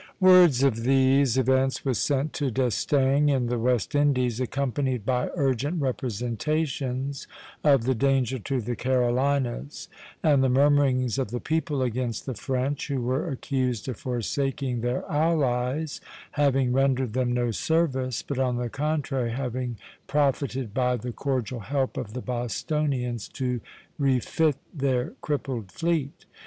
Word of these events was sent to D'Estaing in the West Indies, accompanied by urgent representations of the danger to the Carolinas, and the murmurings of the people against the French, who were accused of forsaking their allies, having rendered them no service, but on the contrary having profited by the cordial help of the Bostonians to refit their crippled fleet.